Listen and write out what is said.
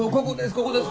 ここです